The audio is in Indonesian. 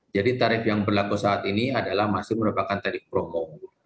tarif yang berlaku saat ini adalah masih merupakan tarif promo